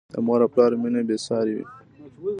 د مور او پلار مینه بې سارې وي.